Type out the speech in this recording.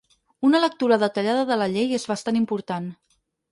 Una lectura detallada de la llei és bastant important.